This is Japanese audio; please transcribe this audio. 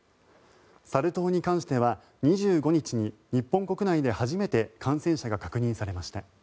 サル痘に関しては２５日に日本国内で初めて感染者が確認されました。